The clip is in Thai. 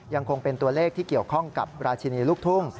ยังคงเป็นตัวเลขที่เกี่ยวข้องกับราชินีลูกทุ่ง